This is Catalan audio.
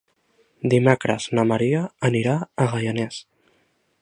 Dimecres na Mira anirà a Gaianes.